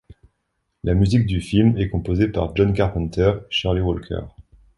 La musique du film du film est composée par John Carpenter et Shirley Walker.